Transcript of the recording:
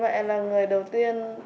mẹ là người đầu tiên